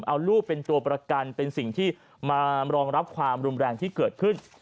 เอาลูกเป็นตัวประกันเป็นสิ่งที่มารองรับความรุนแรงที่เกิดขึ้น